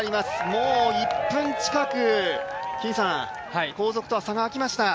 もう１分近く後続とは差が開きました。